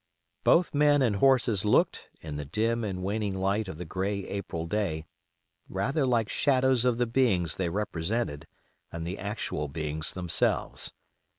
Both men and horses looked, in the dim and waning light of the gray April day, rather like shadows of the beings they represented than the actual beings themselves.